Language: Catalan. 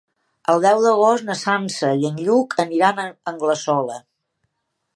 El deu d'agost na Sança i en Lluc aniran a Anglesola.